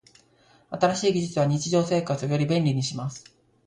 新しい技術は日常生活をより便利にします。